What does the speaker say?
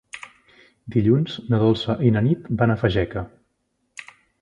Dilluns na Dolça i na Nit van a Fageca.